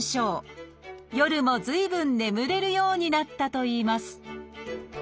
夜も随分眠れるようになったといいます